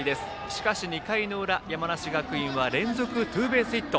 しかし、２回の裏、山梨学院は連続ツーベースヒット。